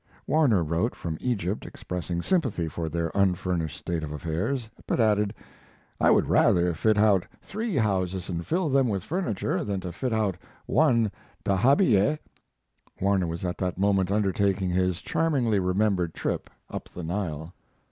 Warner wrote from Egypt expressing sympathy for their unfurnished state of affairs, but added, "I would rather fit out three houses and fill them with furniture than to fit out one 'dahabiyeh'." Warner was at that moment undertaking his charmingly remembered trip up the Nile.